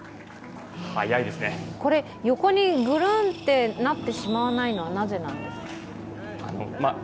横にぐるんってなってしまわないのは、なぜなんですか？